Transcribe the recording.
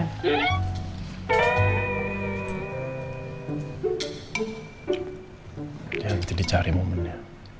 nanti dicari momennya